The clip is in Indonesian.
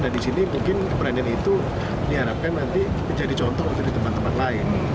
nah di sini mungkin peranian itu diharapkan nanti menjadi contoh untuk teman teman lain